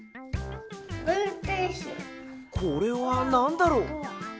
これはなんだろう？